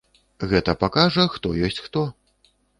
Гэта пакажа, хто ёсць хто.